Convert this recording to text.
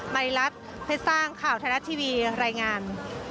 มาริรัติเพศต้างข่าวไทยรัฐทีวีรายงาน